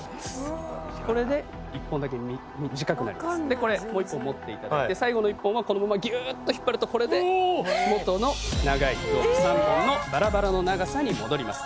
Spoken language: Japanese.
これもう１本持っていただいて最後の１本はこのままぎゅっと引っ張るとこれで元の３本のバラバラの長さに戻ります。